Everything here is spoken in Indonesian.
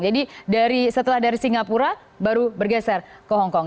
jadi setelah dari singapura baru bergeser ke hong kong